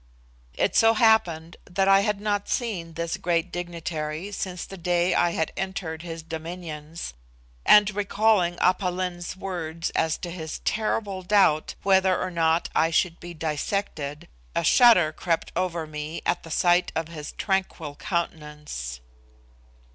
It so happened that I had not seen this great dignitary since the day I had entered his dominions, and recalling Aph Lin's words as to his terrible doubt whether or not I should be dissected, a shudder crept over me at the sight of his tranquil countenance.